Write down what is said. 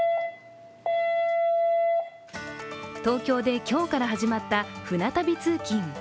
東京で今日から始まった、舟旅通勤。